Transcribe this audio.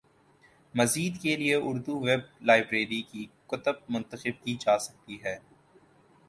مزید کے لیے اردو ویب لائبریری کی کتب منتخب کی جا سکتی ہیں